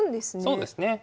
そうですね。